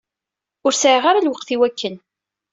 Ur sɛiɣ ara lweqt i wakken.